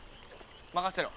任せろ。